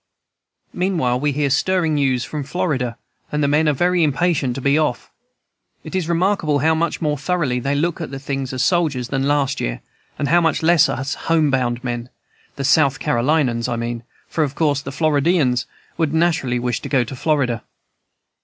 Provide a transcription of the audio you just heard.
Meanwhile we hear stirring news from Florida, and the men are very impatient to be off. It is remarkable how much more thoroughly they look at things as soldiers than last year, and how much less as home bound men, the South Carolinians, I mean, for of course the Floridians would naturally wish to go to Florida.